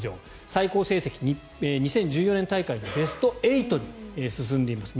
最高成績、２０１４年大会でベスト８に進んでいます。